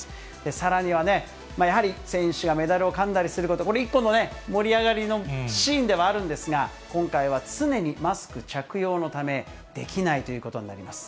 さらには、やはり選手がメダルをかんだりすること、これ盛り上がりのシーンではあるんですが、今回は常にマスク着用のため、できないということになります。